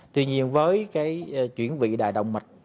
tuy nhiên với chuyển vị đài động mạch